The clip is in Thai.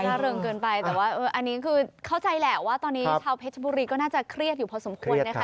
เริงเกินไปแต่ว่าอันนี้คือเข้าใจแหละว่าตอนนี้ชาวเพชรบุรีก็น่าจะเครียดอยู่พอสมควรนะคะ